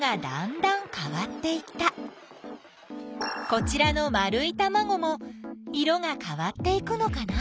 こちらの丸いたまごも色がかわっていくのかな？